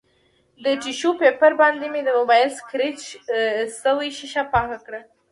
ټیشو پیپر باندې مې د مبایل سکریچ شوې ښیښه پاکه کړه